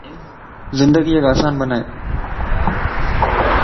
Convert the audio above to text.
زندگي يڪ آسان بنائي